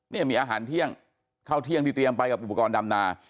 นี่มีอาหารเที่ยงข้าวเที่ยงที่เตรียมไปกับอุปกรณ์ดำนา